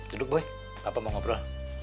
duduk boy apa mau ngobrol